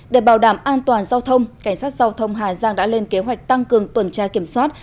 để bảo đảm an toàn giao thông cảnh sát giao thông hà giang đã lên kế hoạch tăng cường tuần tra kiểm soát